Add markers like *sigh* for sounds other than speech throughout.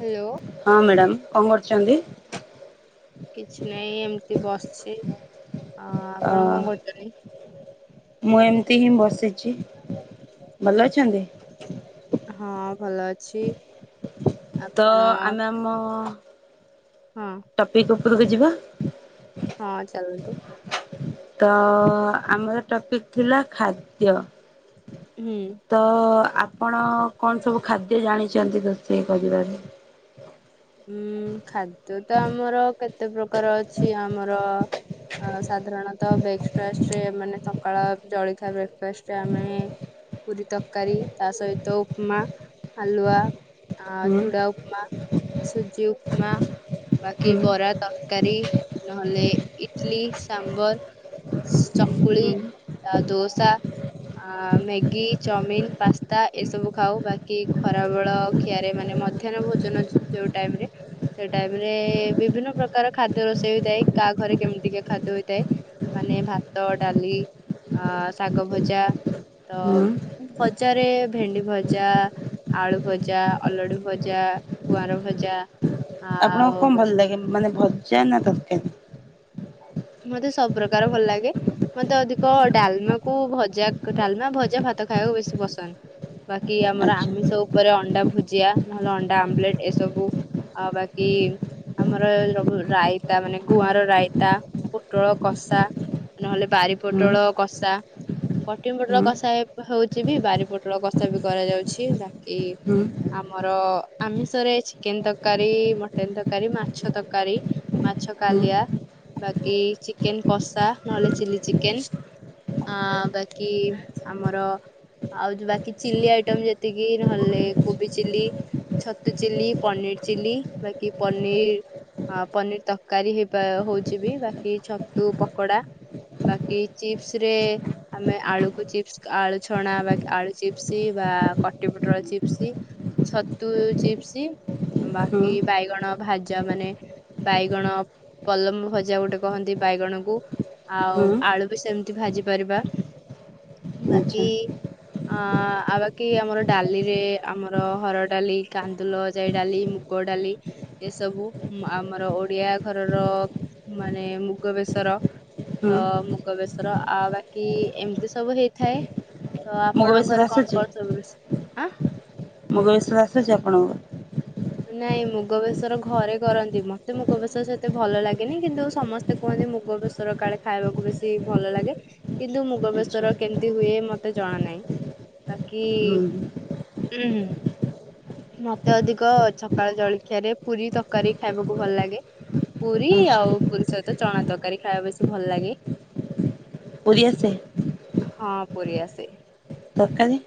Hello. ହଁ madam କଣ କରୁଛନ୍ତି? କିଛି ନାଇଁ ଏମିତି ବସିଛି ଅ ଅ ଆପଣ କଣ କରୁଛନ୍ତି? ମୁଁ ଏମିତି ହିଁ ବସିଛି ଭଲ ଅଛନ୍ତି? ହଁ ଭଲ ଅଛି। ତ ଆପଣ ଆମେ ଆମ ହଁ। ଟପିକ୍ ଉପରକୁ ଯିବା। ହଁ ଚାଲନ୍ତୁ। ତ ଆମର ଟପିକ୍ ଥିଲା ଖାଦ୍ୟ। ହୁଁ। ତ ଆପଣ କଣ ସବୁ ଖାଦ୍ୟ ଜାଣିଛନ୍ତି ରୋଷେଇ କରିବାରେ? ଉଁ ଖାଦ୍ୟ ତ ଆମର କେତେ ପ୍ରକାର ଅଛି ଆମର ଆଉ ସାଧାରଣତଃ ବ୍ରେଫାଷ୍ଟରେ ମାନେ ସକାଳ ଜଳିଥା ବ୍ରେକ୍ଫାଷ୍ଟରେ ଆମେ ପୁରୀ ତରକାରୀ ତା ସହିତ ଉପମା, ହାଲୁଆ, ହୁଁ ଚୁଡ଼ା ଉପମା ସୁଜି ଉପମା ବାକି ହୁଁ ବରା ତ ତରକାରୀ ନହେଲେ ଇଟଲି ସାମ୍ବର ଚକୁଳି ହୁଁ ଆଉ ଦୋସା ଆ ମ୍ୟାଗି, ଚାଉମିିନ, ପାସ୍ତା ଏସବୁ ଖାଉ ବାକି ଖରାବେଳ ଖିଆରେ ମାନେ ମଧ୍ୟାହ୍ନ ଭୋଜନ ଯୋ ଯୋଉ ଟାଇମ ରେ ସେ ଟାଇମ ରେ ବିଭିନ୍ନ ପ୍ରକାର ଖାଦ୍ୟ ରୋଷେଇ ହୋଇଥାଏ କାହା ଘରେ କେମିତିକା ଖାଦ୍ୟ ହୋଇଥାଏ ମାନେ ଭାତ ଡାଲି ଅ ଶାଗ ଭଜା ତ ହୁଁ ଭଜାରେ ଭେଣ୍ଡି ଭଜା ଆଳୁ ଭଜା, ଅଲଡୁ ଭଜା, ଗୁଆଁର ଭଜା ଆପଣଙ୍କୁ ଆଉ କଣ ଭଲ ବାକି ଲାଗେ ମାନେ ଭଜା ନା ତରକାରୀ? ମତେ ସବୁ ପ୍ରକାର ଭଲ ଲାଗେ। ମତେ ଅଧିକ ଡାଲମା କୁ ଭଜା ଡାଲମା ଭଜା ଭାତ ଖାଇବାକୁ ବେଶୀ ପସନ୍ଦ। ବାକି ଆମର ଆଚ୍ଛା ଆମିଷ ଉପରେ ଅଣ୍ଡା ଭୁଜିଆ ନହେଲେ ଅଣ୍ଡା ଆମ୍ଲେଟ ଏସବୁ ଆଉ ବାକି ଆମର ରାଇତା ମାନେ ଗୁଆଁର ରାଇତା ପୋଟଳ କଷା ନହେଲେ ବାରି ହୁଁ ହୁଁ ପୋଟଳ କଷା କଟିମ ପୋଟଳ ହୁଁ କଷା ହଉଛି ବି ବାରି ପୋଟଳ କଷା ବି କରାଯାଉଛି ବାକି ହୁଁ ଆମର ଆମିଷରେ ଚିକେନ ତରକାରୀ, ମଟନ ତରକାରୀ, ମାଛ ତରକାରୀ ମାଛ କାଲିଆ ବାକି ଚିକେନ କଷା ନହେଲେ ଚିଲି ଚିକେନ ଆ ବାକି ଆମର ଆଉ ଯଉ ବାକି ଚିଲି ଆଇଟମ ଯେତିକି ନହେଲେ କୋବି ଚିଲି ଛତୁ ଚିଲି, ପନିର ଚିଲି ବାକି ପନିର ହଁ ପନିର ତରକାରୀ ହେବା ହଉଛି ବି ବାକି ଛତୁ ପକୋଡା ବାକି ଚିପ୍ସରେ ଆମେ ଆଳୁକୁ ଚିପ୍ସ ଆଳୁ ଛଣା ବା ଆଳୁ ଚିପ୍ସ ବା କଟିକ ପୋଟଳ ଚିପ୍ସ ଛତୁ ଚିପ୍ସ ହୁଁ ବାକି ବାଇଗଣ ଭାଜା ମାନେ ବାଇଗଣ ପଲମ ଭ ଜା ଗୋଟେ କହନ୍ତି ବାଇଗଣକୁ ଆଉ ହୁଁ ଆଳୁ ବି ସେମିତି ଭାଜି ପାରିବା। ଆଚ୍ଛା ବାକି ଅଁ ଆଉ ବାକି ଆମର ଡାଲିରେ ଆମର ହରଡ ଡାଲି, କାନ୍ଦୁଲ ଯାଇ ଡାଲି ମୁ ଗ ଡାଲି ଏସବୁ ଆମର ଓଡିଆ ଘରର ମାନେ ମୁଗ ବେଶର ହୁଁ ତ ମୁଗ ବେଶ ର ଆଉ ବାକି ଏମିତି ସବୁ ହେଇଥାଏ, ତ ମୋ ଆପଣଙ୍କ ଭଏସ୍ ଘରେ କଣ ଆସୁଛି? କଣ ସବୁ ରୋଷେଇ? ଆଁ! ମୁଗ ବେସର ଆସୁଛି ଆପଣଙ୍କୁ? ନାଇଁ ମୁଗ ବେସର ଘରେ କରନ୍ତି ମତେ ମୁଗ ବେସର ସେତେ ଭଲ ଲାଗେନି କିନ୍ତୁ ସମସ୍ତେ ତେ କୁହନ୍ତି ମୁଗ ବେସର କାଳେ ଖାଇବାକୁ ବେଶି ଭଲ ଲାଗେ। କିନ୍ତୁ ମୁଗ ଆଚ୍ଛା ବେସର କେମିତି ହୁଏ ମତେ ଜଣା ନାହିଁ। ବାକି ହୁଁ ହୁଁ ହୁଁ। ମତେ ଅଧିକ ସକାଳ ଜଳଖିଆ ରେ ପୁରୀ, ତରକାରୀ ଖାଇବାକୁ ଭଲ ଲାଗେ। ପୁରୀ ଆଉ ଆଚ୍ଛା ପୁରୀ ସହିତ ଚଣା ତରକାରୀ ଖାଇବାକୁ ବେଶୀ ଭଲ ଲାଗେ। ପୁରୀ ଆସେ? ହଁ ପୁରୀ ଆସେ। ତରକାରୀ?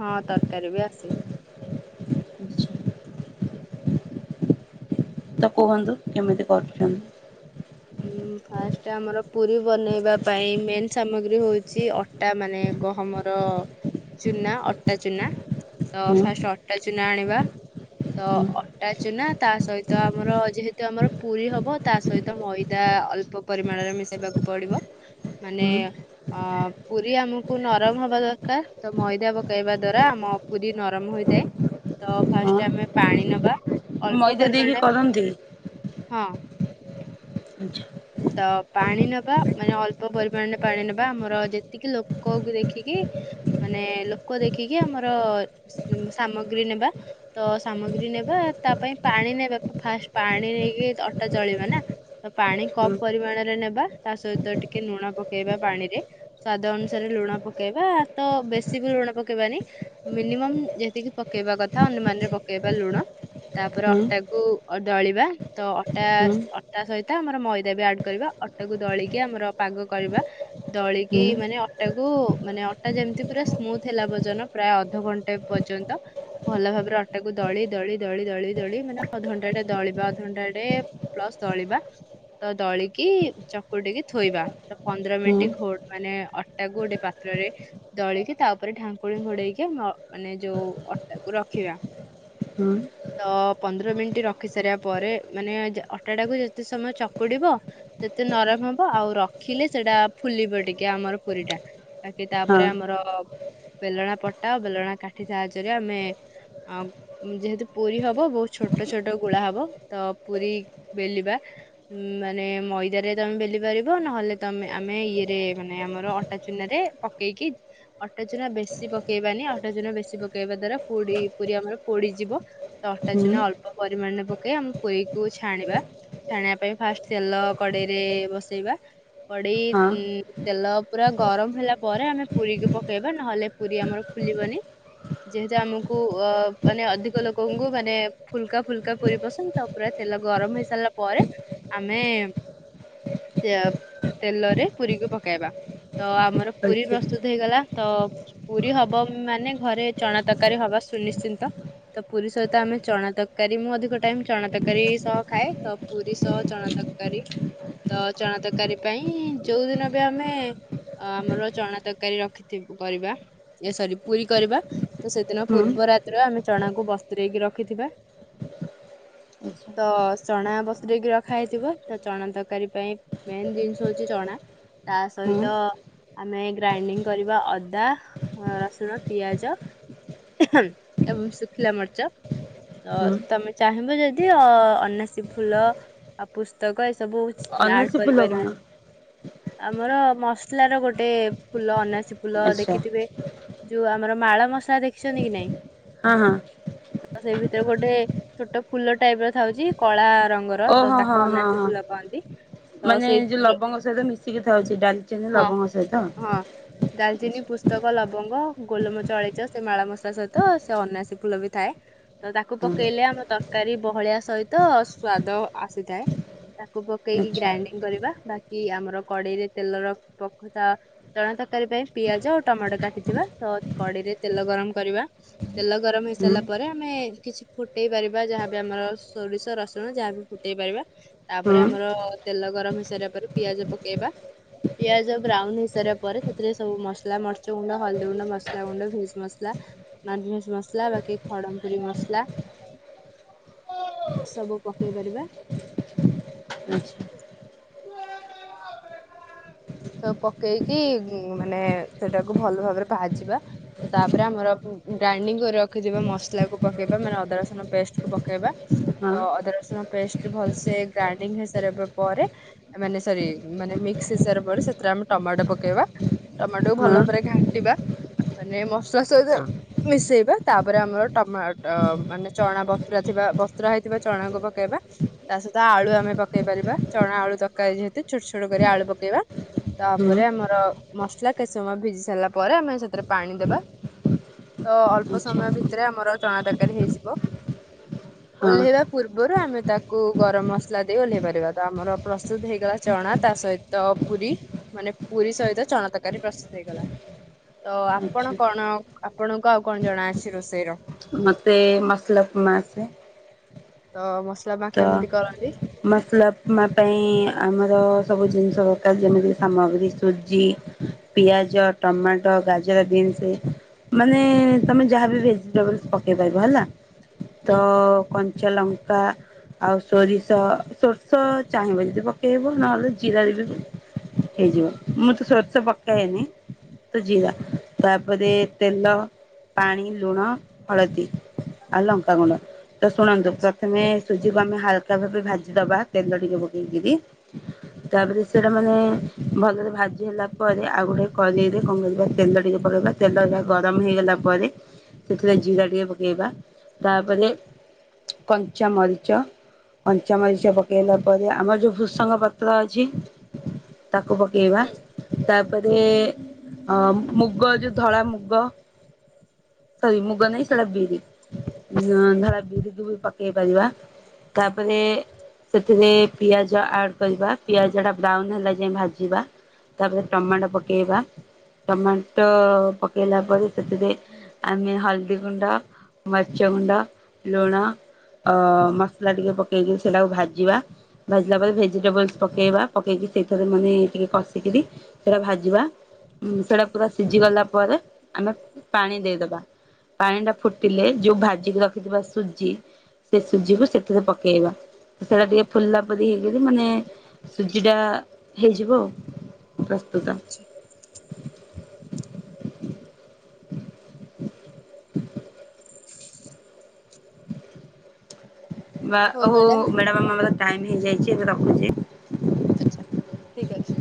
ହଁ ତରକାରୀ ବି ଆସେ। ଆଚ୍ଛା ତ କୁହନ୍ତୁ କେମିତି କରୁଛନ୍ତି? ଉଁ ଫାଷ୍ଟ ଆମର ପୁରୀ ବନେଇବା ପାଇଁ ମେନ୍ ସାମଗ୍ରୀ ହଉଛି ଅ ଟା ମାନେ ଗହମର ଚୁନା ଅଟା ଚୁନା ତ ହୁଁ ଫାଷ୍ଟ ଅଟା ଚୁନା ଆଣିବା ତ ହୁଁ ଅଟା ଚୁନା ତା ସହିତ ଆମର ଯେହେତୁ ଆମର ପୁରୀ ହବ ତା ସହିତ ମଇ ଦା ଅଳ୍ପ ପରିମାଣରେ ମିଶେଇବାକୁ ପଡିବ ମାନେ ହୁଁ ଅ ପୁରୀ ଆମକୁ ନରମ ହବା ଦରକାର ତ ମଇଦା ପକେଇବା ଦ୍ଵାରା ଆମ ପୁରୀ ନରମ ହୋଇଥାଏ ତ ହଁ ଫାଷ୍ଟ ଆମେ ପାଣି ନବା ଅଳ୍ପ ମଇଦା ଦେଇକି ପରିମାଣରେ କରନ୍ତି ହଁ ଆଚ୍ଛା। ତ ପାଣି ନବା ମାନେ ଅଳ୍ପ ପରିମାଣରେ ପାଣି ନବା ଆମର ଯେତିକି ଲୋକକୁ ଦେଖିକି ମାନେ ଲୋକ ଦେଖିକି ଆମର ସାମଗ୍ରୀ ନେବା ତ ସାମଗ୍ରୀ ନେବା ତା ପାଇଁ ପାଣି ନେବା ଫାଷ୍ଟ ପାଣି ନେଇକି ଅଟା ଦଳିବା ନା ତ ପାଣି ହୁଁ କମ ପରିମାଣରେ ନେବା ତା ସହିତ ଟିକେ ଲୁଣ ପକେଇବା ପାଣିରେ ସ୍ଵାଦ ଅନୁସାରେ ଲୁଣ ପକେଇବା ତ ବେଶୀ ବି ଲୁଣ ପକେଇବାନି ମିନିମମ୍ ଯେତିକି ପକେଇବା କଥା ଅନୁମାନ ରେ ପକେଇବା ଲୁଣ। ତାପରେ ହୁଁ ଅଟାକୁ ଦଳିବା ତ ଅଟା ହୁଁ ଅଟା ସହିତ ଆମର ମଇ ଦା ଆଡ କରିବା ଅଟାକୁ ଦଳିକି ଆମର ପାଗ କରିବା। ଦଳିକି ହୁଁ ମାନେ ଅଟାକୁୁ ମାନେ ଅଟା ଯେମିତି ପୁରା ସ୍ମୁଥୁ ହେଲା ପର୍ଯ୍ୟନ୍ତ ପ୍ରାୟ ଅଧଘଣ୍ଟେ ପର୍ଯ୍ୟନ୍ତ ଭଲ ଭାବରେ ଅଟା କୁ ଦଳି ଦଳି ଦଳି ଦଳି ଦଳି ମାନେ ଅଧଘଣ୍ଟା ଟେ ଦଳିିବା ଅଧଘଣ୍ଟା ରେ ପ୍ଲସ ଦଳିବା। ତ ଦଳିକି ଚକୁ ଟିକି ଥୋଇବା ତ ପନ୍ଦର ହୁଁ ମିନିଟ୍ ଘୋ ମାନେ ଅଟା କୁ ଗୋଟେ ପାତ୍ରରେ ଦଳିକି ତା ଉପରେ ଢାଙ୍କୁଣୀ ଘୋଡେଇକି ମ ମାନେ ଯୋଉ ଅଟାକୁ ରଖିବା ହୁଁ। ତ ପନ୍ଦର ମିନିଟ୍ ରଖି ସାରିବା ପରେ ମାନେ ଅଟା ଟାକୁ ଯେତେ ସମୟ ଚ ଚକୁଡିବ ସେତେ ନରମ ହବ ଆଉ ରଖିଲେ ସେଟା ଫୁଲିବ ଟିକେ ଆମର ପୁରୀ ଟା। ତା ସିଟା ହଁ ତାପରେ ଆମର ବେଲଣା ପଟା ବେଲଣା କାଠି ସାହାଯ୍ୟରେ ଆମେ ଆଉ ଯେହେତୁ ପୁରୀ ହବ ବହୁତ୍ ଛୋଟ ଛୋଟ ଗୁଳା ହବ ତ ପୁରୀ ବେଲିବା। ମାନେ ମଇଦା ରେ ତମେ ବେଲି ପାରିବ ନହେଲେ ତମେ ଆମେ ଇଏରେ ମାନେ ଆମର ଅଟା ଚୁନାରେ ଦେଇକି ଅଟା ଚୁନା ବେଶୀ ପକେଇବାନି ଅଟା ଚୁନା ବେଶୀ ପକେଇବା ଦ୍ଵାରା ପୁରି ପୁରୀ ଆମର ପୋଡିଯିବ। ତ ଅଟା ହୁଁ ଚୁନା ଅଳ୍ପ ପରିମାଣରେ ପକେଇ ଆମେ ପୁରିକୁ ଛାଣିବା ଛାଣିବା ତା ପରେ ଫାଷ୍ଟ୍ ତେଲ କଡେଇରେ ବସେଇବା କଡେଇ ହଁ ଇଁ ତେଲ ପୁରା ଗରମ ହେଲା ପରେ ଆମେ ପୁରୀକୁ ପକେଇବା ନହେଲେ ପୁରୀ ଆମର ଫୁଲିବନି। ଯେହେତୁ ଆମକୁ ଅ ମାନେ ଅଧିକ ଲୋକଙ୍କୁ ମାନେ ଫୁଲକା ଫୁଲକା ପୁରୀ ପସନ୍ଦ ତାପରେ ତେଲ ଗରମ ହେଇ ସାରିଲା ପରେ ଆମେ ୟ ପ ତେଲରେ ପୁରୀକୁ ପକେଇବା ତ ଆମର ପୁରୀ ଆଚ୍ଛା ପ୍ରସ୍ତୁତ ହେଇଗଲା ତ ପୁରୀ ହବ ମାନେ ଘରେ ଚଣା ତରକାରୀ ହବା ସୁନିଶ୍ଚିନ୍ତ। ତ ପୁରୀ ସହିତ ଆମେ ଚଣା ତରକାରୀ ମୁଁ ଅଧିକ ଟାଇମ୍ ଚଣା ତରକାରୀ ସହ ଖାଏ ତ ପୁରୀ ସହ ଚଣା ତରକାରୀ ତ ଚଣା ତରକାରୀ ପାଇଁ ଯୋଉ ଦିନ ବି ଆମେ ଅ ଆମର ଚଣା ତରକାରୀ ରଖିିଥି କରିବା ଏ ସରି ପୁରୀ କରିବା। ତ ସେଦିନ ହୁଁ ପୂର୍ବ ରା ତ୍ର ଆମେ ଚଣାକୁ ବସ୍ତରେଇକି ରଖିଥିବା ଆଚ୍ଛା ତ ଚଣା ବ ରେଇକି ରଖା ହେଇଥିବ ତ ଚଣା ତରକାରୀ ପାଇଁ ମେନ୍ ଜିନିଷ ହଉଛି ଚଣା। ତା ହୁଁ ସହିତ ଆମେ ଗ୍ରାଇଣ୍ଡିଙ୍ଗ କରିବା ଅଦା। ରସୁଣ ପିଆଜ ଏବଂ ଶୁଖିଲା ମରିଚ। ଅ ହୁଁ ତମେ ଚାହିଁବ ଯଦି ଅ ଅନାସୀ ଫୁଲ ଆଉ ପୁସ୍ତକ ଏ ସବୁ ଆଡ ଅନାସୀ ଫୁଲ କରିପାରିବୁ। କଣ ଆମର ମସଲା ର ଗୋଟେ ଫୁଲ ଅନାସୀ ଫୁଲ ଆଚ୍ଛା ଦେଖିଥିବେ? ଯୋଉ ଆମର ମାଳ ମଶା ଦେଖିଛନ୍ତି କି ନାଇଁ? ହଁ ହଁ। ତ ସେ ଭିତରେ ଗୋଟେ ଛୋଟ ଫୁଲ ଟାଇପ ର ଥାଉଛି କଳା ରଙ୍ଗ ର ଓ ତ ହଁ ହଁ ତାକୁ ହଁ ଅନାତି ହଁ ଫୁଲ କହନ୍ତି। ତ ମାନେ ଯୋଉ ସେଇଥିରେ ଲବଙ୍ଗ ସହିତ ମିଶିକି ଥାଉଛି ଡାଲିଚିନି ହଁ ଲବଙ୍ଗ ସହିତ। ହଁ ଡାଲଚିନି ପୁସ୍ତକ ଲବଙ୍ଗ ଗୋଲମରିଚ ଅଳେଇଚ ସେ ମାଳ ମସଲା ସହିତ ସେ ଅନାସୀ ଫୁଲ ବି ଥାଏ। ତ ତାକୁ ପକେଇଲେ ମତେ ଆମ ତରକାରୀ ବହଳିଆ ସହିତ ସ୍ଵାଦ ଆସିଥାଏ ତାକୁ ପକେଇକି ଗ୍ରାଇଣ୍ଡିଙ୍ଗ କରିବା ବାକ୍‌ କି ଆମର କଡେଇରେ ତେଲର ପଖଥା ଚଣା ତରକାରୀ ପାଇଁ ପିଆଜ ଆଉ ଟମାଟୋ କାଟିଥିବା ତ କଡେଇରେ ତେଲ ଗରମ କରିବା। ତେଲ ଗରମ ହେଇ ସାରିଲା ପରେ ଆମେ କିଛି ଫୁଟେଇ ପାରିବା ଯାହାବି ଆମର ସୋରିଷ ରସୁଣ ଯାହାବି ଫୁ ଦେଇ ପାରିବା ତାପରେ ଆମର ତେଲ ଗରମ ହେଇସାରିବା ପରେ ପିଆଜ ପକେଇବା। ପିଆଜ ବ୍ରାଉନ ହେଇସାରିବା ପରେ ସେଥିରେ ସବୁ ମସଲା ମର୍ଚ୍ଚ ଗୁଣ୍ଡ, ହଳଦୀ ଗୁଣ୍ଡ, ମସଲା ଗୁଣ୍ଡ, ଭେଜ୍‌ ମସଲା ନନ୍‌ ଭେଜ୍‌ ମସଲା ବାକି ଖଡ଼ମ ପୁରୀ ମସଲା ସବୁ ପକେଇ ପାରିବା। *inaudible* ସବୁ ପକେଇକି ଉମ ମାନେ ସେଟାକୁ ଭଲ ଭାବରେ ଭାଜିବା। ତାପରେ ଆମର ଗ୍ରାଇଣ୍ଡିଙ୍ଗ କରି ରଖିଥିବା ମସଲାକୁ ପକେଇବା ମାନେ ଅଦା ରସୁଣ ପେଷ୍ଟ କୁ ପକେଇବା। ତ ଅଦା ରସୁଣ ପେଷ୍ଟ ଭଲସେ ଗ୍ରାଇଣ୍ଡିଙ୍ଗ ହେଇସାରିବା ପରେ ମାନେ ସରି ମାନେ ମିକ୍ସ ହେଇସାରିବା ପରେ ସେଥିରେ ଆମେ ଟମାଟୋ ପକେଇବା। ଟମାଟୋକୁୁ ଭଲ ଭାବରେ ଘାଣ୍ଟିବା ମାନେ ମସଲା ସହିତ ମିଶେଇବା ତାପରେ ଆମର ଟମାଟ ମାନେ ଚଣା ବତ୍ରା ଥିବା ବତ୍ରା ହେଇଥିବା ଚଣାକୁ ପକ୍ କେଇବା। ତା ସହିତ ଆଳୁ ଆମେ ପକେଇ ପାରିବା ଚଣା ଆଳୁ ତରକାରୀ ଯେହେତୁ ଛୋଟ ଛୋଟ କରି ଆଳୁ ପକେଇବା। ତାପରେ ଆମର ମସଲା କେତେ ସମୟ ଭିଜି ସାରିଲା ପରେ ଆମେ ସେଥିରେ ପାଣି ଦେବା। ତ ଅଳ୍ପ ସମୟ ଭିତରେ ଆମର ଚଣା ତରକାରୀ ହେଇଯିବ। ଓହ୍ଲେଇବା ପୂର୍ବରୁ ଆମେ ତାକ କୁ ଗରମ ମସଲା ଦେଇ ଓହ୍ଲେଇ ପାରିବା ତ ଆମର ପ୍ରସ୍ତୁତ ହେଇଗଲା ଚଣା ତା ସହିତ ପୁରୀ। ମାନେ ପୁରୀ ସହିତ ଚଣ ତରକାରୀ ପ୍ରସ୍ତୁତ ହେଇଗଲା। ତ ଆପଣ କଣ ଆପଣଙ୍କୁ ଆଉ କଣ ଜଣା ଅଛି ରୋଷେଇ ର? ମୋତେ ମସଲା ଉପମା ଆସେ। ତ ମସଲା ଉପମା ତ କେମିତି କରନ୍ତି? ମସଲା ଉପମା ପାଇଁ ଆମର ସବୁ ଜିନିଷ ଦରକାର ଯେମିତି ସାମଗ୍ରୀ ସୁଜି। ପିଆଜ, ଟମାଟୋ, ଗାଜର, ବିିନସ୍। ମାନେ ତମେ ଯାହାବି ଭେଜିଟେବଲସ୍ ପକେଇ ପାରିବ ହେଲା। ତ କଞ୍ଚାଲଙ୍କା ଆଉ ସୋରିଷ ସୋରିଷ ଚାହିଁବ ଯଦି ପକେଇବ ନହେଲେ ଜିରାରେ ବି ହେଇଯିବ, ମୁଁ ତ ସୋରିଷ ପକାଏନି। ତ ଜୀରା ତାପରେ ତେଲ, ପାଣି, ଲୁଣ, ହଳଦୀ। ଆଉ ଲଙ୍କା ଗୁଣ୍ଡ ତ ଶୁଣନ୍ତୁ ଆଛା ପ୍ରଥମେ ସୁଜିକୁ ଆମେ ହାଲକା ଭାବେ ଭାଜିଦବା ତେଲ ଟିକେ ପକେଇକିରି ତାପରେ ସେଟା ମାନେ ଭଲରେ ଭାଜି ହେଲା ପରେ ଆଉ ଗୋଟେ କଡେଇରେ କଣ କରିବା ତେଲ ଟିକେ ପକେଇବା ତେଲଟା ଗରମ ହେଇଗଲା ପରେ ସେଥିରେ ଜୀରା ଟିକେ ପକେଇବା ତାପରେ କଞ୍ଚା ମରି ଚ କଞ୍ଚାମରିଚ ପକେଇଲା ପରେ ଆମର ଯୋଉ ଭୃସଙ୍ଗ ପତ୍ର ଅଛି ତାକୁ ପକେଇବା, ତାପରେ ଅ ମୁଗ ଯୋଉ ଧଳା ମୁଗ ସରି ମୁଗ ନାଇ ସେଟା ବିରି। ଧଳା ବିରିକୁୁ ବି ପକେଇ ପାରିବା। ତାପରେ ସେଥିରେ ପିଆଜ ଆଡ୍ କରିବା, ପିଆଜଟା ବ୍ରାଉନ ହେଲା ଯାଏଁ ଭାଜିବା। ତାପରେ ଟମାଟୋ ପକେଇବା, ଟମାଟୋ ପକେଇଲା ପରେ ସେଥିରେ ଆମେ ହଳଦୀ ଗୁଣ୍ଡ, ମରିଚ ଗୁଣ୍ଡ, ଲୁଣ, ଅ ମସଲା ଟିକେ ପକେଇକି ସେଇଟାକୁ ଭାଜିବା। ଭାଜିଲା ପରେ ଭେଜିଟେବୁଲ୍ସ ପକେଇବା, ପକେଇକି ସେଇଥିରେ ମାନେ ଟିକେ କଷିକିରି ସେଇଡ଼ା ଭାଜିବା, ସେଇଡା ପୁରା ସିଝି ଗଲା ପରେ ଆମେ ପାଣି ଦେଇଦବା। ପାଣି ଟା ଫୁଟିଲେ ଯୋଉ ଭାଜିିକି ରଖିଥିବା ସୁଜି ସେ ସୁଜିକୁ ସେ ଥିରେ ପକେଇବା, ତ ସେଇଡ଼ା ଟିକେ ଫୁଲିଲା ପରି ହେଇଗଲେ ମାନେ ସୁଜିଟା ହେଇଯିବ ଆଉ, ପ୍ରସ୍ତୁତ। *unintelligible* ବା ହଉ ଓହୋ ବେଟା ହୋ, ମ୍ୟାଡାମ ଆମର ଟାଇମ୍ ହେଇଯାଇଚି ଏବେ ରଖୁଚି। ଆଚ୍ଛା, ଠିକ୍ ଅଛି।